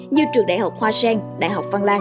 như trường đại học hoa sen đại học văn lan